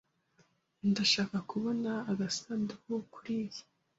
Ndashaka kubona agasanduku kuriyi.